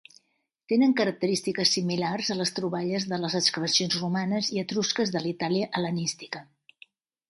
Tenen característiques similars a les troballes de les excavacions romanes i etrusques de l'Itàlia hel·lenística.